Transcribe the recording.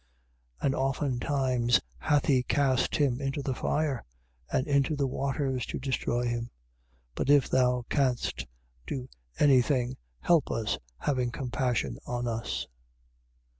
9:21. And oftentimes hath he cast him into the fire and into the waters to destroy him. But if thou canst do any thing, help us, having compassion on us.